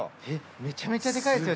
めちゃめちゃデカいですよ